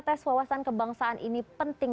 tes wawasan kebangsaan ini penting